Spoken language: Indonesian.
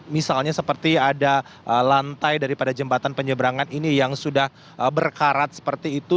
misalnya seperti ada lantai daripada jembatan penyeberangan ini yang sudah berkarat seperti itu